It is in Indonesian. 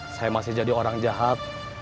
saya masih jadi orang jahat